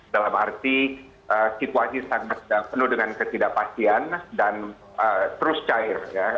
dalam arti situasi sangat penuh dengan ketidakpastian dan terus cair